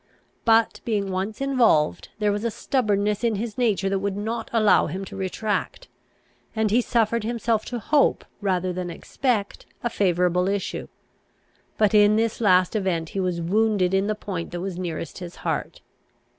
But, being once involved, there was a stubbornness in his nature that would not allow him to retract, and he suffered himself to hope, rather than expect, a favourable issue. But in this last event he was wounded in the point that was nearest his heart.